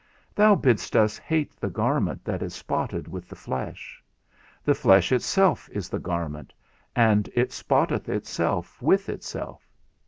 Thou bidst us hate the garment that is spotted with the flesh. The flesh itself is the garment, and it spotteth itself with itself.